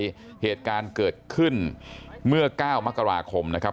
เหตุการณ์เกิดขึ้นเมื่อ๙มกราคมนะครับ